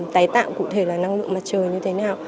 tái tạo cụ thể là năng lượng mặt trời như thế nào